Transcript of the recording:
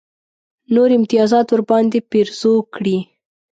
نور امتیازات ورباندې پېرزو کړي.